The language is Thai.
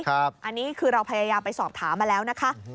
อันนี้คือเราพยายามไปสอบถามมาแล้วนะคะ